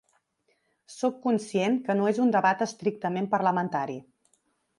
Sóc conscient que no és un debat estrictament parlamentari.